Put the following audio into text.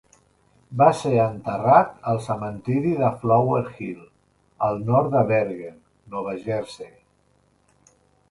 Va ser enterrat al cementiri de Flower Hill, al nord de Bergen, Nova Jersey.